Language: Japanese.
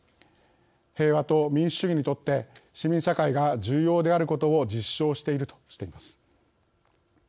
平和と民主主義にとって市民社会が重要であることを実証している」としています。